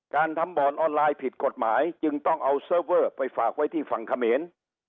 การทำบ่อนออนไลน์ผิดกฎหมายจึงต้องเอาเซิร์ฟเวอร์ไปฝากไว้ที่ฝั่งเขมร